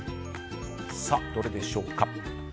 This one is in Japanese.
どれでしょうか。